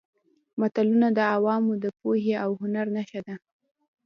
متلونه د عوامو د پوهې او هنر نښه ده